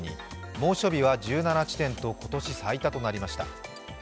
猛暑日は１７地点と今年最多となりました。